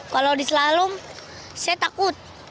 kalau di selalum saya takut